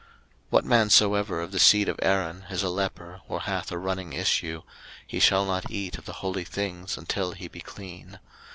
03:022:004 What man soever of the seed of Aaron is a leper, or hath a running issue; he shall not eat of the holy things, until he be clean.